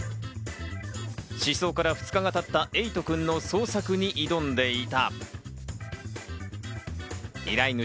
失踪から２日が経ったエイトくんの捜索に挑んでいた。